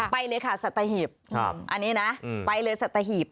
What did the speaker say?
ไปเลยค่ะสัตหีบอันนี้นะไปเลยสัตหีบ